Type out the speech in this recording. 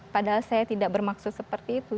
padahal saya tidak bermaksud seperti itu